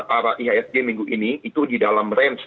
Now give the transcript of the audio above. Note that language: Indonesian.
arah ihsg minggu ini itu di dalam range